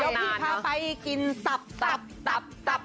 ยกพี่พาไปกินตับตับตับตับ